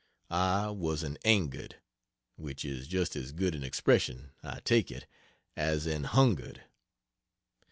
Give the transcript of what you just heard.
I was an angered which is just as good an expression, I take it, as an hungered.